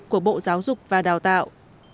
của bộ giáo dục và đào tạo